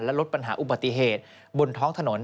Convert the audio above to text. ลดปัญหาอุบัติเหตุบนท้องถนน